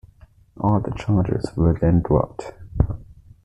All the charges were then dropped.